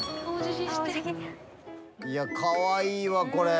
いやかわいいわこれ。